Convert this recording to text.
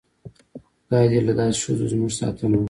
خدای دې له داسې ښځو زموږ ساتنه وکړي.